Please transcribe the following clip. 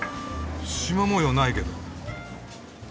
縞模様ないけど。